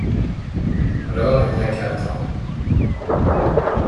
Alors, il n’y a qu’à attendre...